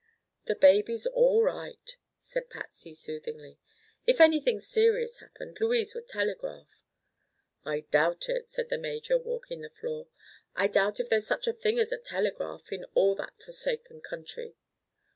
"The baby's all right," said Patsy, soothingly. "If anything serious happened, Louise would telegraph." "I doubt it," said the major, walking the floor. "I doubt if there's such a thing as a telegraph in all that forsaken country."